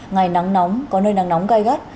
ngày nắng nóng có nơi nắng nóng gai gắt